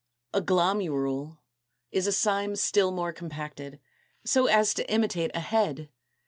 222. =A Glomerule= is a cyme still more compacted, so as to imitate a head.